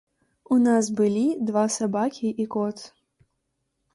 У нас былі два сабакі і кот.